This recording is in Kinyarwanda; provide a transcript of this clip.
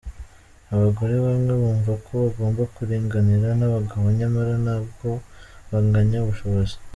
Abagore bamwe bumva ko bagomba kuringanira n’abagabo nyamara nta bwo banganya ubushobozi.